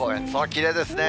きれいですね。